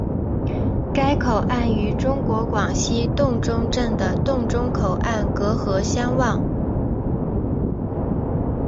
该口岸与中国广西峒中镇的峒中口岸隔河相望。